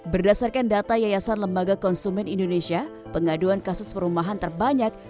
berdasarkan data yayasan lembaga konsumen indonesia pengaduan kasus perumahan terbanyak